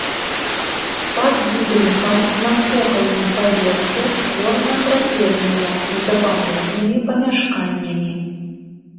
Пад будынкам на цокальным паверсе створана трапезная з дапаможнымі памяшканнямі.